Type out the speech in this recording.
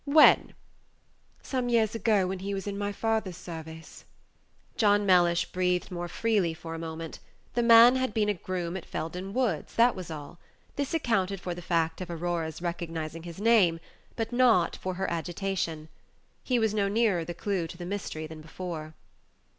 "When?" "Some years ago, when he was in my father's service." John Mellish breathed more freely for a moment. The man had been a groom at Felden Woods, that was all. This accounted for the fact of Aurora's recognizing his name, but not for her agitation. He was no nearer the clew to the mystery than before.